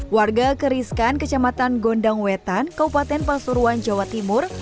warga keriskan kecamatan gondang wetan kabupaten pasuruan jawa timur